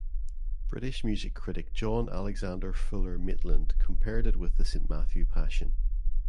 British music critic John Alexander Fuller Maitland compared it with the "St Matthew Passion".